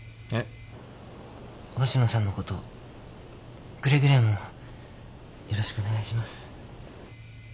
星野さんのことくれぐれもよろしくお願いします。